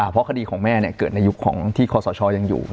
เพราะคดีของแม่เกิดในยุคของที่คอสชยังอยู่